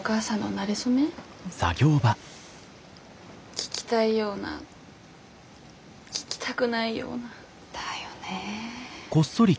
聞きたいような聞きたくないような。だよね。